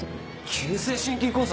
急性心筋梗塞？